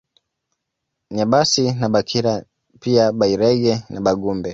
Nyabasi na Bakira pia Bairege na Bagumbe